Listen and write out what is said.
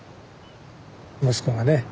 息子がね